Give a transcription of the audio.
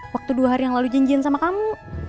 waktu dua hari yang lalu jinjin sama kamu